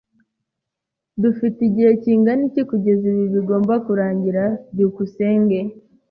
Dufite igihe kingana iki kugeza ibi bigomba kurangira? byukusenge